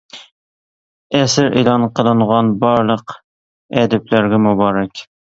ئەسىرى ئېلان قىلىنغان بارلىق ئەدىبلەرگە مۇبارەك.